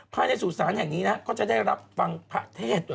ภาพในสู่สารแห่งนี้ก็จะได้รับฟังภาทเทศ